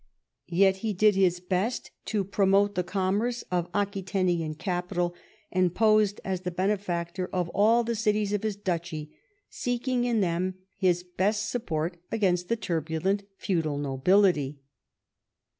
Yet he did his best to promote the commerce of Aquitanian capital, and posed as the benefactor of all the cities of his duchy, seeking in them his best support against the turbulent feudal nobility.